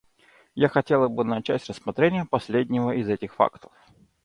Я хотел бы начать с рассмотрения последнего из этих факторов.